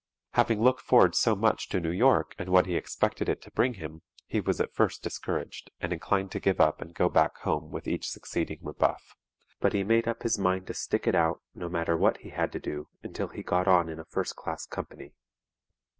Having looked forward so much to New York and what he expected it to bring him, he was at first discouraged and inclined to give up and go back home with each succeeding rebuff, but he made up his mind to stick it out, no matter what he had to do until he got on in a first class company.